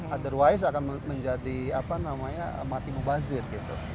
otherwise akan menjadi apa namanya mati mubazir gitu